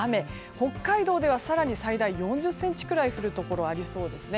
北海道では更に最大４０ｃｍくらい降るところ、ありそうですね。